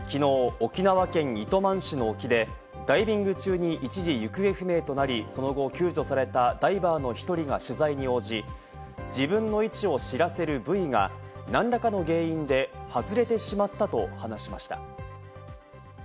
沖縄県糸満市の沖でダイビング中に一時行方不明となり、その後、救助されたダイバーの１人が取材に応じ、自分の位置を知らせるブイが何らかの原因で外れてしまったと話しました。